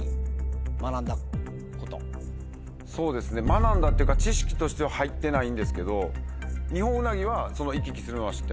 そうですね学んだというか知識としては入ってないんですけど。